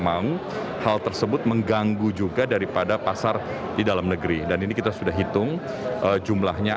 mau hal tersebut mengganggu juga daripada pasar di dalam negeri dan ini kita sudah hitung jumlahnya